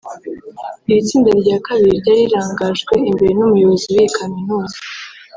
Iri tsinda rya kabiri ryari rirangajwe imbere n’Umuyobozi w’iyi Kaminuza